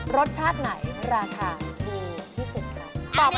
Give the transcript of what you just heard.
รสชาติไหนราคาดีที่สุดครับ